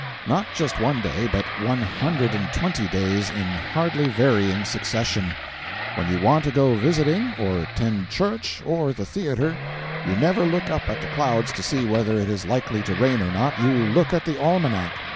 Not just one day, but one hundred and twenty days in hardly varying succession. When you want to go visiting, or attend church, or the theatre, you never look up at the clouds to see whether it is likely to rain or not—you look at the almanac.